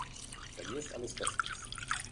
Bei mir ist alles bestens.